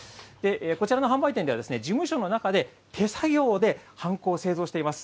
こちらの販売店では事務所の中で手作業でハンコを製造しています。